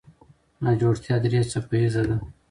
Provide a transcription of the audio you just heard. ناجوړتیا درې څپه ایزه ده.